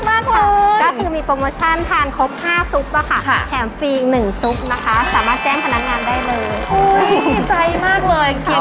อุ้ยน่ารักมากเลยก็คือมีโปรโมชั่นทางครบ๕ซุปอะค่ะ